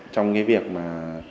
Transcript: trong cái việc mà